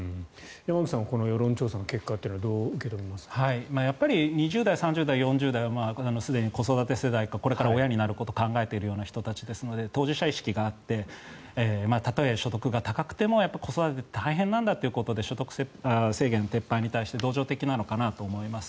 山口さんはこの議論の結果を２０代、３０代、４０代はすでに子育て世代かこれから親になる人たちですので当事者意識があってたとえ所得が高くても子育てって大変なんだということで所得制限の撤廃に関して同情的なのかなと思います。